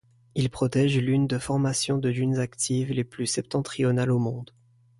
Il protège l'une de formation de dunes actives les plus septentrionales au monde.